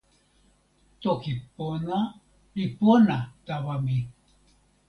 toki pona li pona tawa mi.